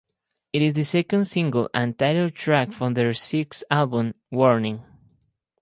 It is the second single and title track from their sixth album, "Warning".